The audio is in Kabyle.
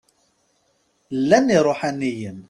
Llan iṛuḥaniyen.